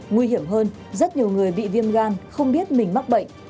nguy hiểm hơn rất nhiều người bị viêm gan không biết mình mắc bệnh